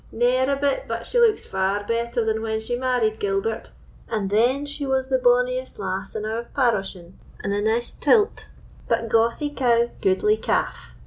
Ne'er a bit but she looks far better than when she married Gilbert, and then she was the bonniest lass in our parochine and the neist till't. But gawsie cow, goodly calf."